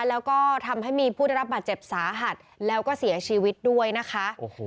แล้วก็ทำให้มีผู้ได้รับบาดเจ็บสาหัสแล้วก็เสียชีวิตด้วยนะคะ